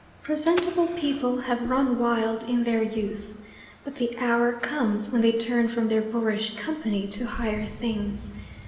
Presentable people have run wild in their youth. But the hour comes when they turn from their boorish company to higher things.